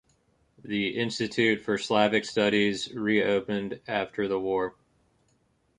The Institute for Slavic Studies reopened after the war.